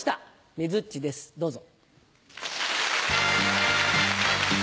ねづっちですどうぞ！